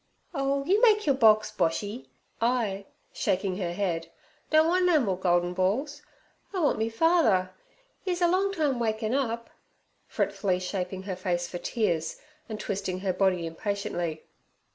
'Oh, you make your box, Boshy. I' shaking her head, 'don't want no more goldin balls. I want me father. 'E's a long time waking up' fretfully shaping her face for tears, and twisting her body impatiently.